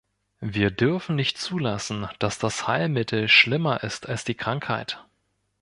Wir dürfen nicht zulassen, dass das Heilmittel schlimmer ist als die Krankheit.